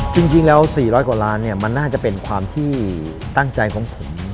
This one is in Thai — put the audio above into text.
จริงแล้ว๔๐๐กว่าล้านมันน่าจะเป็นความที่ตั้งใจของผม